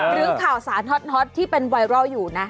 หรือข่าวสารฮอตที่เป็นไวรัลอยู่นะ